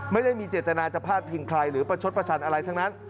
ไม่ได้มีเจตนาจะพาดพิงใครหรือประชดประชันอะไรทั้งนั้น